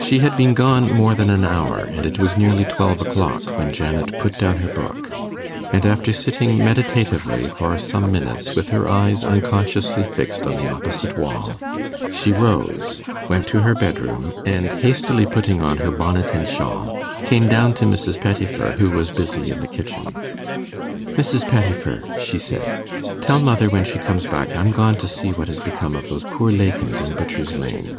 She had been gone more than an hour, and it was nearly twelve o'clock, when Janet put down her book; and after sitting meditatively for some minutes with her eyes unconsciously fixed on the opposite wall, she rose, went to her bedroom, and, hastily putting on her bonnet and shawl, came down to Mrs. Pettifer, who was busy in the kitchen. 'Mrs. Pettifer,' she said, 'tell mother, when she comes back, I'm gone to see what has become of those poor Lakins in Butchers Lane.